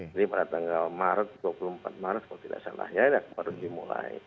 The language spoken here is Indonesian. jadi pada tanggal maret dua puluh empat maret kalau tidak salah ya baru dimulai